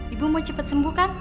ibu mau cepat sembuhkan